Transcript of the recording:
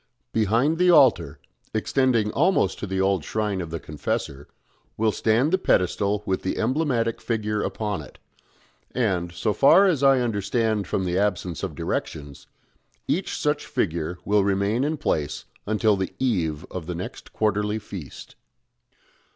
Behind the altar extending almost to the old shrine of the Confessor will stand the pedestal with the emblematic figure upon it; and so far as I understand from the absence of directions each such figure will remain in place until the eve of the next quarterly feast."